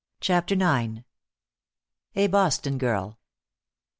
'" *CHAPTER IX.* *A BOSTON GIRL.